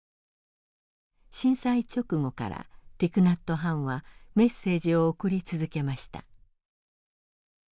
震災直後からティク・ナット・ハンはメッセージを送り続けました。